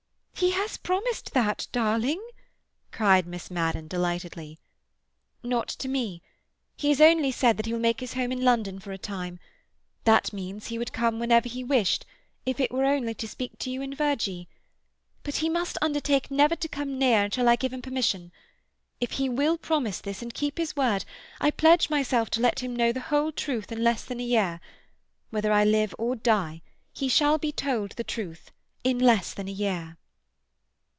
"He has promised that, darling," cried Miss Madden delightedly. "Not to me. He has only said that he will make his home in London for a time: that means he would come whenever he wished, if it were only to speak to you and Virgie. But he must undertake never to come near until I give him permission. If he will promise this, and keep his word, I pledge myself to let him know the whole truth in less than a year. Whether I live or die, he shall be told the truth in less than a year."